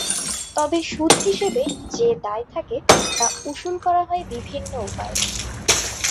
তবে সুদ হিসেবে যে দায় থাকে তা উশুল করা হয় বিভিন্ন উপায়ে।